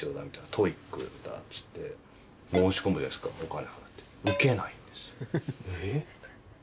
ＴＯＥＩＣだっつって申し込むじゃないですかお金払って受けないんですよ。